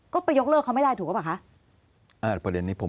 ก็ไปยกเลิกเขาไม่ได้ถูกหรือเปล่าคะ